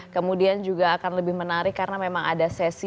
kemudian juga akan lebih menarik karena memang ada sesi